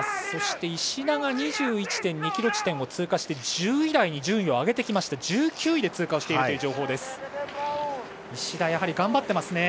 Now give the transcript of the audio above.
そして、石田が２１．２ｋｍ地点を通過して順位を上げました１９位で通過しています。